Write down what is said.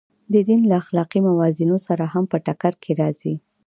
د دین له اخلاقي موازینو سره هم په ټکر کې راځي.